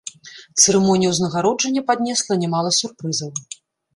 Цырымонія ўзнагароджання паднесла нямала сюрпрызаў.